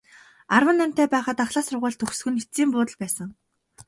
Арван наймтай байхад ахлах сургууль төгсөх нь эцсийн буудал байсан.